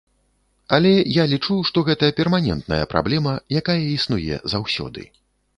Але я лічу, што гэта перманентная праблема, якая існуе заўсёды.